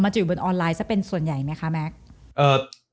จะอยู่บนออนไลน์ซะเป็นส่วนใหญ่ไหมคะแม็กซ์